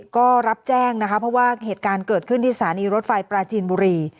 ก็รับแจ้งนะคะเพราะว่าเหตุการณ์เกิดขึ้นที่สถานีรถไฟปราจีนบุรี